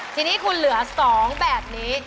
ทีนี้คุณเหลือ๒แบบนี้